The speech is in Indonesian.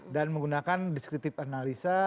dan menggunakan diskretif analisa